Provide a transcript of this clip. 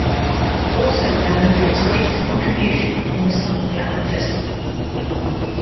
Also known for its great contribution in the Sunflower Festival.